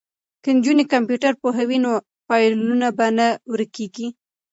که نجونې کمپیوټر پوهې وي نو فایلونه به نه ورکیږي.